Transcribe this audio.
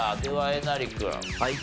えなり君